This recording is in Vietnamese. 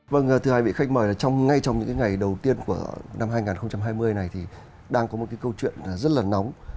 vâng thưa hai vị khách mời là ngay trong những ngày đầu tiên của năm hai nghìn hai mươi này thì đang có một cái câu chuyện rất là nóng